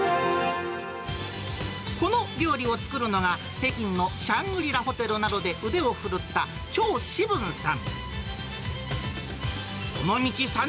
この料理を作るのは、北京のシャングリラホテルなどで腕を振るったちょう志文さん。